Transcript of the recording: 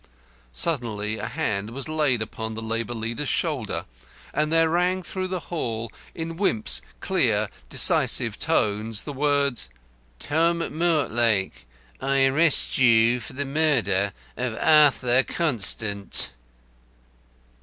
Suddenly a hand was laid upon the labour leader's shoulder, and there rang through the hall in Wimp's clear, decisive tones the words "Tom Mortlake, I arrest you for the murder of Arthur Constant!"